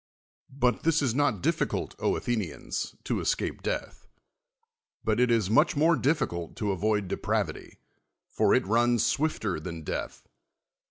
l>ut this is not difficult, Athenians, to escape death, but it is much more difficult to avoid de pravity, for it runs swifter than death.